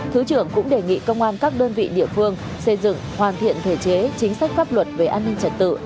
thứ trưởng cũng đề nghị công an các đơn vị địa phương xây dựng hoàn thiện thể chế chính sách pháp luật về an ninh trật tự